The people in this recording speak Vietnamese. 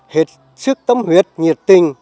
hệt sức tâm huyệt nhiệt tình